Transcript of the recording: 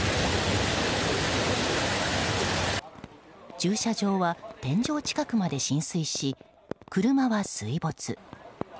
駐車場は天井近くまで浸水し車は水没。